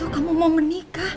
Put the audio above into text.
kamu mau menikah